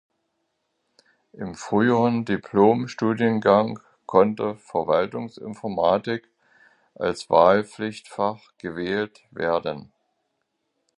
Im früheren Diplom-Studiengang konnte Verwaltungsinformatik als Wahlpflichtfach gewählt werden.